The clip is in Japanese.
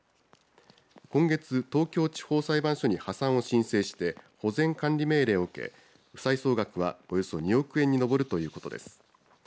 今月、東京地方裁判所に破産を申請して保全管理命令を受け負債総額はおよそ２億円に上るということです。